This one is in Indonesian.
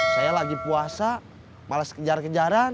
saya lagi puasa males kejar kejaran